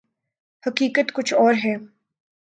حقیقت کچھ اور ہے۔